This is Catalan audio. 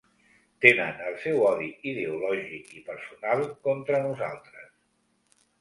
Tenen el seu odi ideològic i personal contra nosaltres.